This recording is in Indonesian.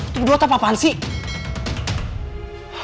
lo berdua tapah apaan sih